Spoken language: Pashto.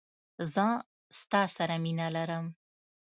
زه ستا سره مینه لرم.